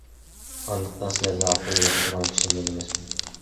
Андыктан силерге акыл үйрөтө турган киши мен эмесмин.